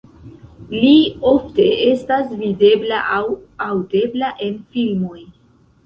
Li ofte estas videbla aŭ aŭdebla en filmoj.